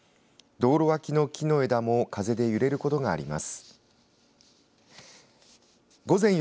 道路脇の木の枝も風で揺れることがあります。